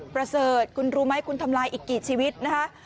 ประเสริฐคุณรู้ไหมคุณทำลายอีกกี่ชีวิตนะคะ